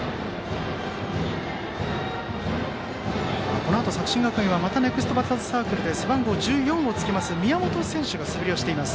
このあと作新学院はネクストバッターズサークルで背番号１４をつけます宮本選手が素振りをしています。